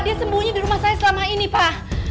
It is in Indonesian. dia sembunyi di rumah saya selama ini pak